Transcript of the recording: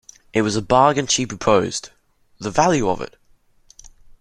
It was a bargain she proposed — the value of it!